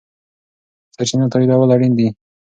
سرچینه تاییدول اړین دي.